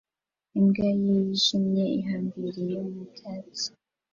Imbwa yijimye ihambiriye mu byatsi